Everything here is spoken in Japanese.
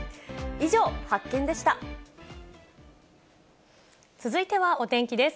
以上、続いてはお天気です。